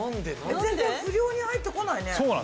全然不良に入ってこないね。